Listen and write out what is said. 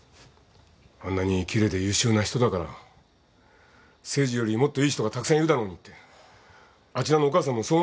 あんなに奇麗で優秀な人だから誠治よりもっといい人がたくさんいるだろうにってあちらのお母さんもそう思ってんだろ。